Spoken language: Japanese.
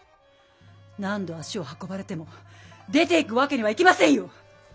何度足を運ばれても出ていくわけにはいきませんよ！